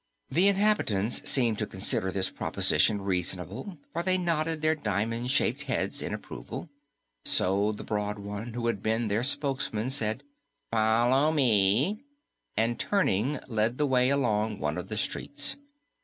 The inhabitants seemed to consider this proposition reasonable, for they nodded their diamond shaped heads in approval. So the broad one who had been their spokesman said, "Follow me," and turning led the way along one of the streets.